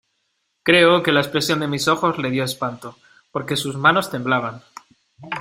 creo que la expresión de mis ojos le dió espanto, porque sus manos temblaban.